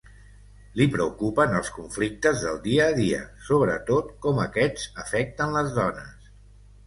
Li preocupen els conflictes del dia a dia, sobretot com aquests afecten les dones.